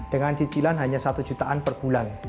dengan cicilan hanya satu jutaan per bulan